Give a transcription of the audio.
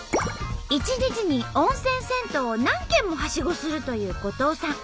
一日に温泉銭湯を何軒もはしごするという後藤さん。